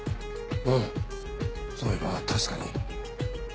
うんそういえば確かに。